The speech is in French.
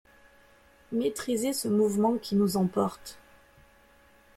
Maîtriser ce mouvement qui nous emporte!